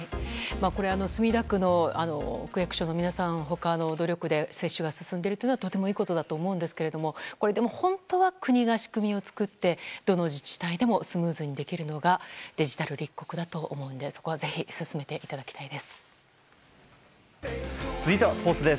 墨田区の区役所の皆さん他の努力で接種が進んでいることはとてもいいことだと思うんですがでも、本当は国が仕組みを作ってどの自治体でもスムーズにできるのがデジタル立国だと思うのでそこはぜひ続いては、スポーツです。